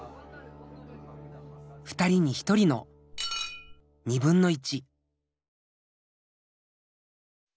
２人に１人の２分の１。